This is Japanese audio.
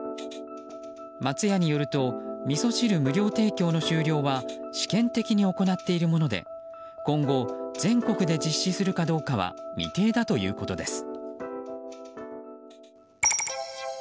松屋によるとみそ汁無料提供の終了は試験的に行っているもので今後、全国で実施するかどうかは未定だということです。